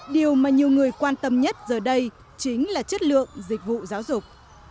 điều mà nhiều người quan tâm nhất giờ đây chính là chất lượng dịch vụ giáo dục